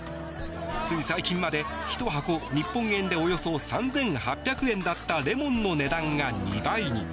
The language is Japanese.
つい最近まで１箱日本円でおよそ３８００円だったレモンの値段が２倍に。